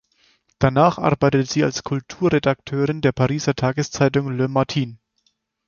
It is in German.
Danach arbeitete sie als Kulturredakteurin der Pariser Tageszeitung "Le matin".